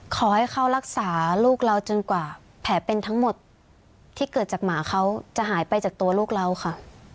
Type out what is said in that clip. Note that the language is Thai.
ขอให้เขารักษาลูกเราจนกว่าแผลเป็นทั้งหมดที่เกิดจากหมาเขาจะหายไปจากตัวลูกเราค่ะ